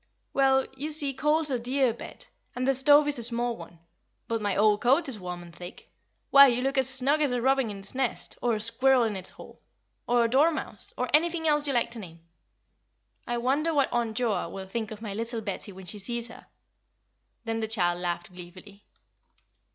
"Well, you see coals are dear, Bet, and the stove is a small one; but my old coat is warm and thick. Why, you look as snug as a robin in its nest, or a squirrel in its hole, or a dormouse, or anything else you like to name. I wonder what Aunt Joa will think of my little Betty when she sees her?" Then the child laughed gleefully.